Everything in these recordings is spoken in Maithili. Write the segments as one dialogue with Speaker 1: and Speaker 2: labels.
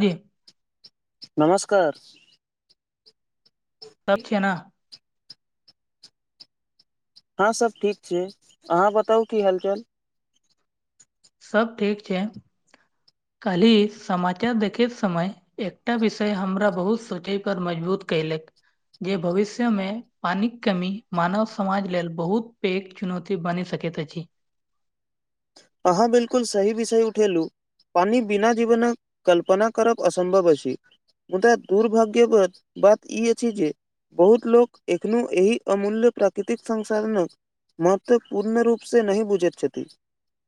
Speaker 1: जी
Speaker 2: नमस्कार
Speaker 1: सब छियैना
Speaker 2: हँ सब ठीक छै अहाँ बताउ की हालचाल
Speaker 1: सब ठीक छै कहली समाचार देखेत समय एकटा विषय हमरा बहुत सोचय पर मजबूत कयलक जे भविष्य मे पानिक कमी मानव समाज लेल बहुत पैघ चुनौती बनि सकैत अछि
Speaker 2: अहाँ बिल्कुल सही विषय उठेलूं पानी बिना जीवनक कल्पना करब असंभव अछि मुदा दुर्भाग्य बात बात ई अछि जे बहुत लोक एखनो एहि अमूल्य प्राकृतिक संसाधनक महत्व पूर्ण रूप से नहि बुझैत छथि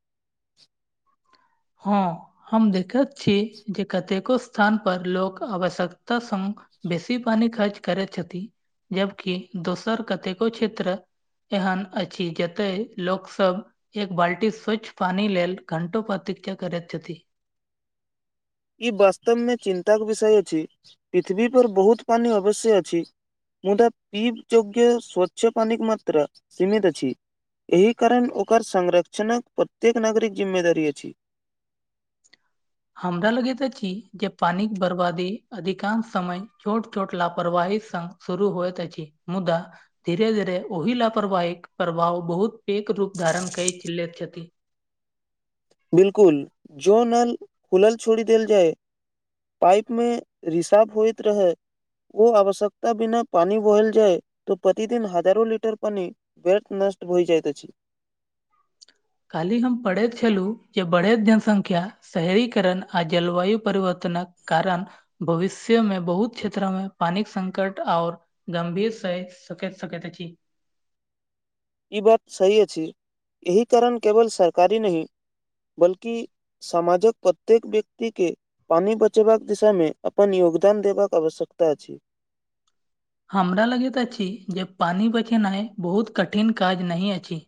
Speaker 2: [inaudible]
Speaker 1: हँ हम देखत छी जे कतेको स्थान पर लोक आवश्यकता संग बेसी पानि खर्च करै छथि जबकि दोसर कतेको क्षेत्र एहन अछि जते लोकसभ एक बाल्टी स्वच्छ पानि लेल घंटो प्रतिक्षा करैत छथि
Speaker 2: ई वास्तवमे चिन्ताक विषय अछि पृथ्वी पर बहुत पानी अवश्य अछि मुदा पिब जोग्य स्वच्छ पानिक मात्रा सीमित अछि एहि कारण ओकर संरक्षणक प्रत्येक नागरिक जिम्मेदारी अछि
Speaker 1: हमरा लगैत अछि जे पानिक बर्बादी अधिकांश समय छोट छोट लापरवाही सँ सुरू होएत अछि मुदा धीरे धीर ओहि लापरवाहीक प्रभाव बहुत पैघ रूप धारण कैक लैत छथि
Speaker 2: बिलकुल जो नल खुलल छोड़ी देल जाय पाइप मे रिसाब होइत रहै ओ आवश्यकता बिना पानि बहल जाय तऽ प्रतिदिन हजारो लीटर पानि बेट नष्ट होइ जाइत अछि
Speaker 1: काल्हि हम पढ़ैत छलहुँ जे बढ़ैत जनसंख्या शहरीकरण आ जलवायु परिवर्तनक कारण भविष्य मे बहुत क्षेत्र मे पानी के संकट आओर गंभीर से सकैत सकैत अछि
Speaker 2: ई बात सही अछि एहि कारण केवल सरकारी नहि बल्कि समाजक प्रत्येक व्यक्ति के पानि बचेबाक दिशामे अपन योगदान देबाक आवश्यकता अछि
Speaker 1: हमरा लगैत अछि जे पानी बचेनाइ बहुत कठिन काज नहि अछि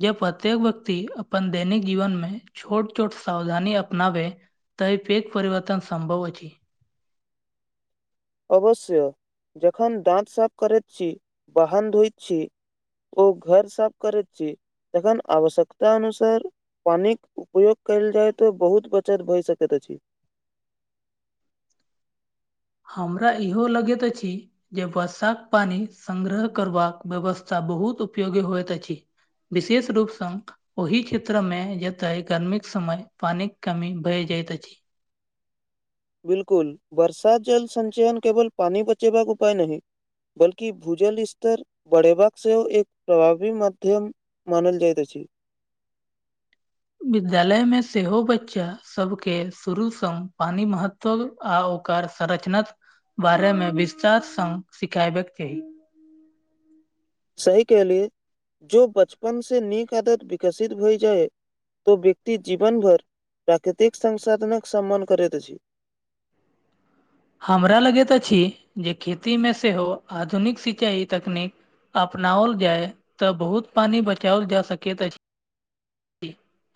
Speaker 1: जे प्रत्येक व्यक्ति अपन दैनिक जीवन में छोट छोट सावधानी अपनावे तैऽ इ पैघ परिवर्तन संभव अछि
Speaker 2: अवश्य जखन दाँत साफ करैत छी बाहन धोइत छी ओ घर साफ करैत छी तखन आवश्यकता अनुसार पानिक उपयोग कयल जाय तऽ बहुत बचत भए सकैत अछि
Speaker 1: हमरा इहो लगैत अछि जे वर्षाक पानि संग्रह करबाक व्यवस्था बहुत उपयोगी होयत अछि विशेष रूप सँ ओहि क्षेत्र मे जतय गर्मीक समय पानिक कमी भए जाइत अछि
Speaker 2: बिलकुल बर्षा जल सञ्चयन केवल पानि बचेबाक उपाय नहि बल्कि भूजल स्तर बढ़ेबाक सेहो एक प्रभावी माध्यम मानल जाइत अछि
Speaker 1: विद्यालय में सेहो बच्चा सबके शुरूसँ पानी महत्व आ ओकर संरचना बारे मे विस्तार सङ्ग सिखाबेके चाही
Speaker 2: सही कहलियए जो बचपन से नीक आदत विकसित भई जाय तो व्यक्ति जीवन भर प्राकृतिक संसाधनक सम्मान करैत अछि
Speaker 1: हमरा लगैत अछि जे खेती मे सेहो आधुनिक सिंचाई तकनीक अपनाओल जाय तऽ बहुत पानी बचाओल जा सकैत अछि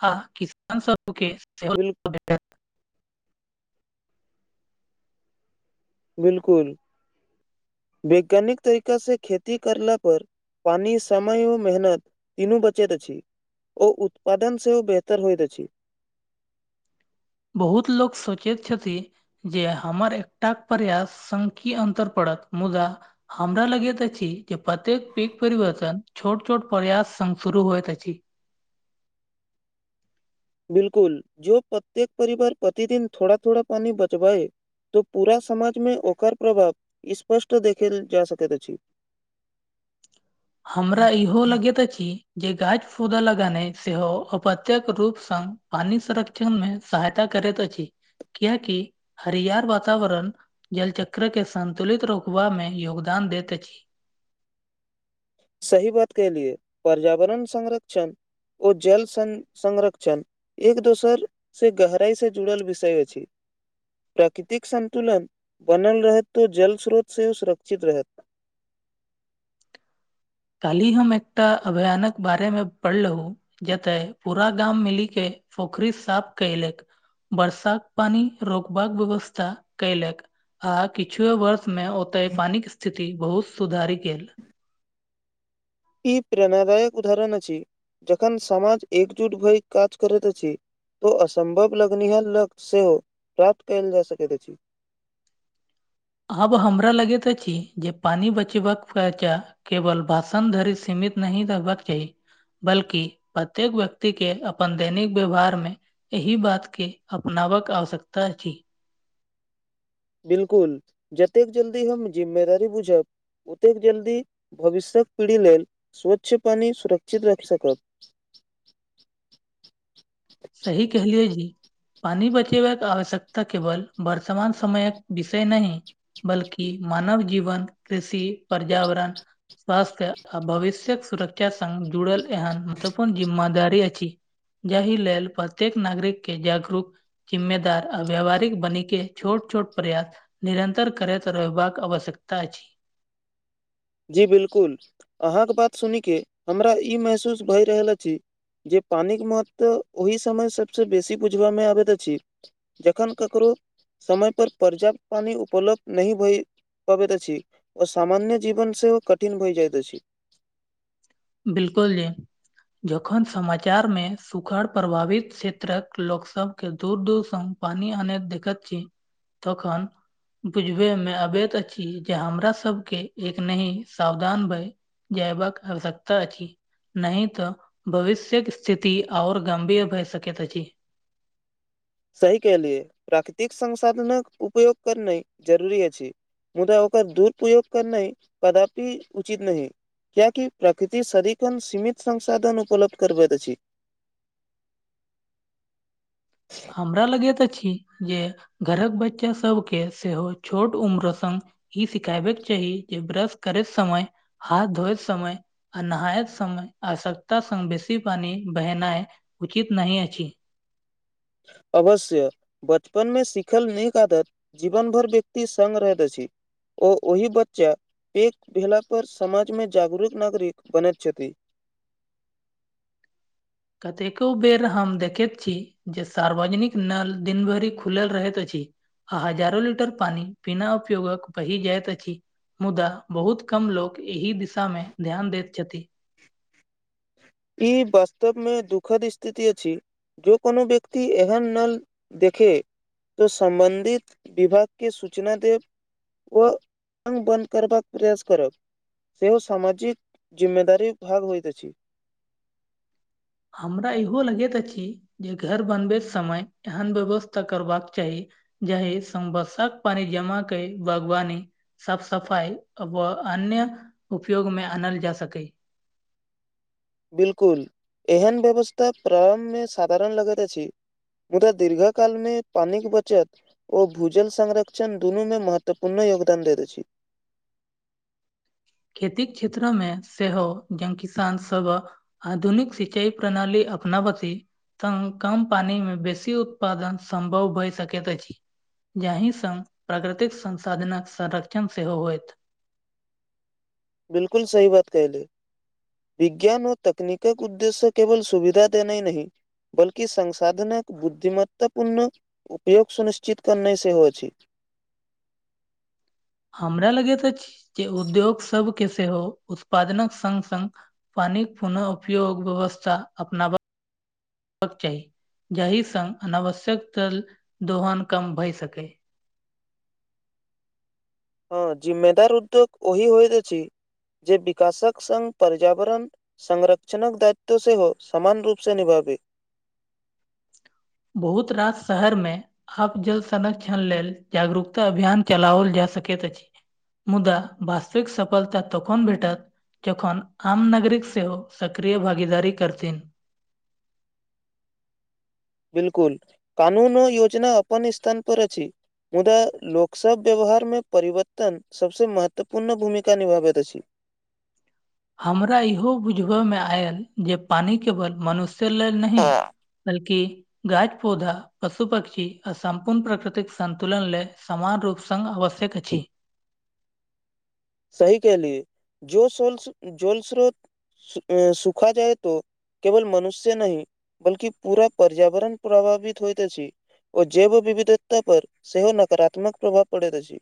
Speaker 1: आ किसान सब के से
Speaker 2: बिल
Speaker 1: [unintelligible]
Speaker 2: बिलकुल वैज्ञानिक तरीका से खेती करला पर पानि समय ओ मेहनत तीनू बचैत अछि ओ उत्पादन सेहो बेहतर होइत अछि
Speaker 1: बहुत लोक सोचैत छथि जे हमर एकटााक प्रयास संग की अन्तर पड़त मुदा हमरा लगैत अछि जे प्रत्येक पैघ परिवर्तन छोट छोट प्रयास सग शुरू होइत अछि
Speaker 2: बिलकुल जो प्रत्येक परिवार प्रतिदिन थोड़ा थोड़ा पानी बचबाए तऽ पूरा समाजमे ओकर प्रभाव स्पष्ट देखल जा सकैत अछि
Speaker 1: हमरा इहो लगैत अछि जे गाछ पौधा लगेनाइ सेहो अपत्यक रूप संग पानी संरक्षण मे सहायता करैत अछि कियाकि हरियार वातावरण जल चक्र के संन्तुलित रोकवा में योगदान देत अछि
Speaker 2: सही बात केहलिये पर्यावरण संरक्षण ओ जल सं संरक्षण एक दोसर से गहराई से जुड़ल विषय अछि प्राकृतिक संन्तुलन बनल रहत तो जल स्रोत सेहो सुरक्षित रहत
Speaker 1: काली हम एकटा अभयानक बारे मे पढ़लहु जते पूरा गाम मिली के पोखरी साफ कलक वर्षाक पानी रोकबाक व्यवस्था कयलक आ किछुए वर्ष में ओते पानी के स्थिति बहुत सुधारी गेल
Speaker 2: ई प्रेणादायक उदाहरण अछि जखन समाज एकजुट भए काज करैत अछि तो असम्भव लग्निहार लक्ष सेहो प्राप्त कयल जा सकैत अछि
Speaker 1: आब हमरा लगैत अछि जे पानि बचेबाक फेरचा केवल भाषण धरि सीमित नहि रहबाक चाही बल्कि प्रत्येक व्यक्ति के अपन दैनिक व्यवहार मे एहि बात के अपनावक आवश्यकता अछि
Speaker 2: बिलकुल जतेक जल्दी हम जिम्मेदारी बुझब ओतेक जल्दी भविष्यक पीढ़ी लेल स्वच्छ पानि सुरक्षित रखि सकब
Speaker 1: सही कहलियो जी पानी बचेबाक आवश्यकता केवल बर्तमान समयक विषय नहि बल्कि मानव जीवन कृषि पर्यावरण स्वास्थ्य आ भविष्यक सुरक्षा संग जुड़ल एहन महत्वपूर्ण जिम्मेदारी अछि जाहि लेल प्रत्येक नागरिक के जागरूक जिम््ममेदार आ व्यावहारिक बनी के छोट छोट प्रयास निरन्तर करैत रहबाक आवश्यकता अछि
Speaker 2: जी बिलकुल अहाँके बात सुनि के हमरा ई महसूस भए रहल अछि जे पानिक के महत्व ओहि समय सबस बेसी बुझबा मे आबैत अछि जखन ककरो समय पर पर्याप्त पानी उपलब्ध नहि भए पाबैत अछि ओ सामान्य जीवन सेहो कठिन भइ जाइत अछि
Speaker 1: बिलकुलये जखन समाचार मे सुखाड़ प्रभावित क्षेत्रक लोकसभके दूर दूर सँ पानी आनेत देखत छी तखन बुझबे मे अबैत अछि जे हमरा सबके एक नहि सावधान भय जैवाक आवष्य कता अछि नहि तऽ भविष्यके स्थिति आऔर गं्भीर भए सकैत अछि
Speaker 2: सही केलियै प्राकृतिक संसाधनक उपयोग करनाइ जरूरी अछि मुदा ओकर दुरुपयोग करनाइ कदापि उचित नहि कियाकि प्रकृति सदिखन सीमित संसाधन उपलब्ध करबैत अछि ह
Speaker 1: हमरा लगैत अछि जे घरक बच्चा सब के सेहो छोट उम्र संग ई सिखेबेके चाही जे ब्रश करैत समय हाथ धोेइत समय अ नहाते समय आसक्त स बेसी पानी बहनाय उचित नहि अछि
Speaker 2: अवश्य बचपन में सिखल नीक आदत जीवन भर व्यक्ति संग रहैत अछि ओ ओहि बच्चा प भेला पर समाज मे जागरूक नागरिक बनैत छथि
Speaker 1: कतेको बेर हम देखैत छी जे सार्वजनिक नल दिन भरि खुलल रहैत अछि आ हजारो लीटर पानी बिना उपयोगक बहि जाइत अछि मुदा बहुत कम लोक एहि दिशा मे ध्यान दैत छथि
Speaker 2: ई वास्तवमे दुःखद स्थिति अछि जो कोनो व्यक्ति एहन नल देखे तऽ सम्बन्धित विभाग के सूचना देब ओ बन्द करबाक प्रयास करब सेहो सामाजिक जिम्मेदारी भाग होइत अछि
Speaker 1: हमरा इहो लगैत अछि जे घर बनबे समय एहन व्यवस्था करबाक चाही जाे संभशाक पान जमा क बागवानी साफ सफाइ अब अन्य उपयोग मे आनल जा सकै
Speaker 2: बिल्कुल एहन व्यवस्था प्रारम्भ मे साधारण लगैत अछि मुदा दीर्घ काल मे पानी के बचत ओ भूजल संरक्षण दुनूमे महत्वपूर्ण योगदान दैत अछि
Speaker 1: खेती क्षेत्र मे सेहो ज किसानसभ आधुनिक सिंचाई प्रणाली अपनावती तम कम पानि मे बेसी उत्पादन सम्भव भए सकैत अछि जाहि सँङ्ग प्राकृतिक संसाधनक संरक्षण सेहो होयत
Speaker 2: बिल्कुल सही बात कहले विज्ञान ओ तकनीकक उद्देश्य केवल सुविधा देनाए नहि बल्कि संसाधनक बुद्धिमत्तापूर्ण उपयोग सुनिश्चित करनाइ सेहो अछि
Speaker 1: हमरा लगे तऽ जे उद्योग सभके सेहो उत्पादनक संग संग पानीक पुनः उपयोग व्यवस्था अपनावा बाक चाही जाहि सङ् अनावश्यक तल दोहन कम भए सकय
Speaker 2: हँ जिम्मेदार उद्योग ओहि होइत अछि जे विकासक संगङ पर्यावरण संरक्षणक दायित्व सेहो समान रूप से निभाबे
Speaker 1: बहुत रास शहर मे आब जल संरक्षण लेल जागरूकता अभियान चलाओल जा सकैत अछि मुदा वास्तविक सफलता तकन भेटत जखन आम नागरिक सेहो सक्रिय भागीदारी करथिन
Speaker 2: बिल्कुल कानूनो योजना अपन स्थान पर अछि मुदा लोकसब व्यवहार मे परिवर्तन सबसे महत्वपूर्ण भूमिका निभाबैत अछि
Speaker 1: हमरा इहो बुझबय मे आयल जे पानि केवल मनुष्य नहि बल्कि [unintelligible] पौधा पशु पक्षी आ सम्पूर्ण प्रकृतिक संन्तुलन लेल समान रूप सङ्ग आवश्यक अछि
Speaker 2: सही कहलियए जो सोल्स जोल स्रोत सुखा जाय तो केवल मनुष्य नहि बल्कि पूरा पर्यावरण प्रभावित होयत अछि ओ जैव विविधता पर सेहो नकारात्मक प्रभाव पड़ैत अछि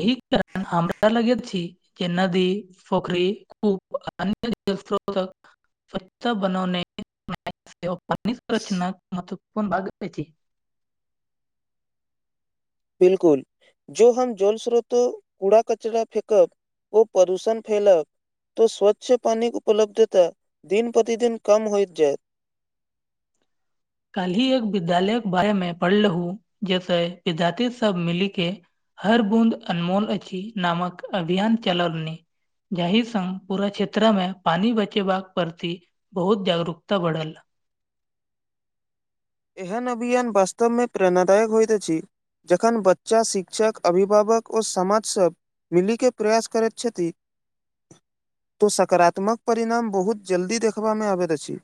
Speaker 1: एहि कारण हमरा लगैत छी जे नदी पोखरी कूप अन जल स्रोतक सचछ बनने [unintelligible] [unintelligible] संरक्षणाक महत्वपूर्ण भाग कर छै
Speaker 2: बिल्कुल जो हम जल स्रोतो कूड़ा कचरा फेेकब ओ प्रदूषण फैलब तो स्वच्छ पानीक उपलब्धता दिन प्रतिदिन कम होइत जायत
Speaker 1: कालहि एक विद्यालय के बारे में पढ़ लहु जैसे विद्यार्थी सब मिली के हर बूद अनमोल अची नामक अभियान चलोलनी जाहि संग पूरा क्षेत्र मे पानी बचेबाक प्रति बहुत जागरूकता बढ़ल
Speaker 2: एहन अभियान वास्तव मे प्रेरणादायक होइत अछि जखन बच्चा शिक्षक अभिभावक ओर समाज सब मिली के प्रयास करैत छथि तो सकारात्मक परिणाम बहुत जल्दी देखबामे आबैत अछि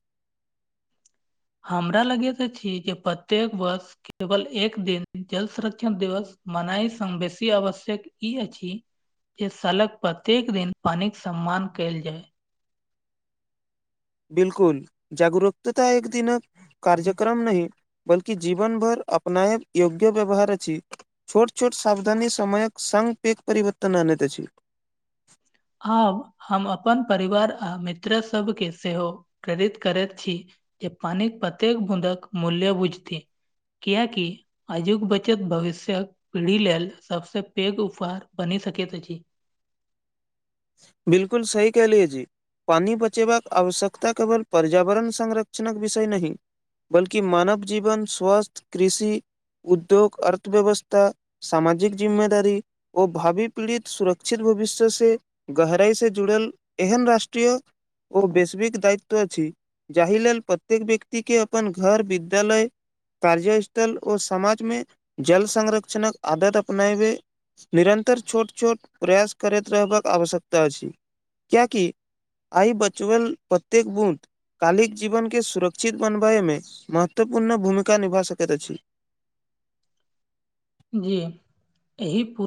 Speaker 1: हमरा लगेत अछि जे प्रत्येक वर्ष केवल एक दिन जल संरक्षण दिवस मनाय स बेसी आवश्यक ई अछि जे सालक प्रत्येक दिन पानिक सम्मान कयल जाय
Speaker 2: बिलकुल जागरूकताता एक दिनक कार्यक्रम नहि बल्कि जीवन भर अपनायब योग्य व्यवहार अछि छोट छोट साावधानी समयक संघ पेेघ परिवर्तन आनैत अछि
Speaker 1: आब हम अपन परिवार आ मित्र सबके सेहो प्रेरित करैत छी जे पानिक प्रत्येक बूदक मूल्य बुझति कियाकी आजुग बचत भविष्यक पीढ़ी लेल सभसँ पैघ उपहार बनि सकैत अछि
Speaker 2: बिलकुल सही कलियए जी पानि बचेबाक आवश्यकता केवल पर्यावरण संरक्षणक विषय नहि बल्कि मानव जीवन स्वास्थ्य कृषि उद्योग अर्थव्यवस्था सामाजिक जिम्मेदारी ओ भावी पीड़ित सुरक्षित भविष्य से गहराइ से जुड़ल एहन राष्ट्रीय ओ वैस्विक दायित्व अछि जाहि लेल प्रत्येक व्यक्ति के अपन घर विद्यालय कार्य स्थल ओ समाज मे जल संरक्षणक आदत अपनायबे निरन्तर छोट छोट प्रयास करैत रहबाक आवश्यकता अछि कएाकि आइ बचबल प्रत्येक बूँट कालिक जीवन के सुरक्षित बनबैमे महत्वपूर्ण भूमिका निभा सकैत अछि
Speaker 1: जी एहि पूरा